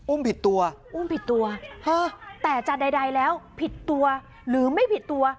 ผิดตัวอุ้มผิดตัวแต่จะใดแล้วผิดตัวหรือไม่ผิดตัว